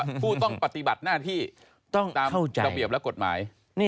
ผู้ต้องปฏิบัติหน้าที่ต้องตามระเบียบและกฎหมาย